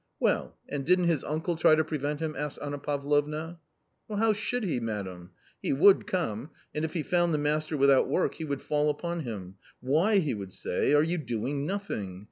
" Well, and didn't his uncle try to prevent him ?" asked Anna Pavlovna. " How should he, madam 1 he would come, and if he found the master without work, he would fall upon him. 'Why,' he would say, 'are you doing nothing?